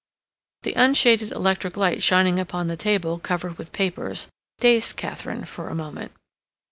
The unshaded electric light shining upon the table covered with papers dazed Katharine for a moment.